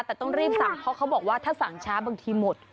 แต่ต้องรีบสั่งเพราะเขาบอกว่าถ้าสั่งช้าบางทีหมด